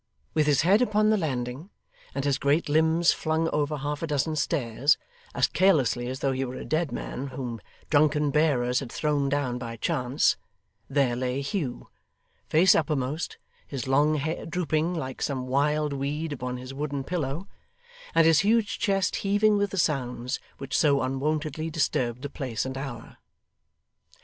With his head upon the landing and his great limbs flung over half a dozen stairs, as carelessly as though he were a dead man whom drunken bearers had thrown down by chance, there lay Hugh, face uppermost, his long hair drooping like some wild weed upon his wooden pillow, and his huge chest heaving with the sounds which so unwontedly disturbed the place and hour.